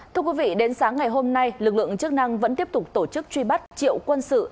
thưa quý vị đến sáng ngày hôm nay lực lượng chức năng vẫn tiếp tục tổ chức truy bắt triệu quân sự